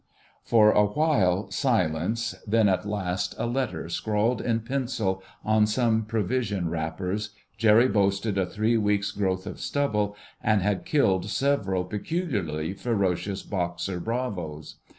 For a while silence, then at last a letter scrawled in pencil on some provision wrappers. Jerry boasted a three weeks' growth of stubble, and had killed several peculiarly ferocious Boxer bravos.